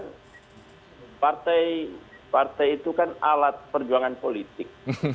karena partai partai itu kan alat perjuangan politik